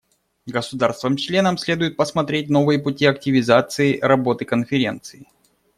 Государствам-членам следует посмотреть новые пути активизации работы Конференции.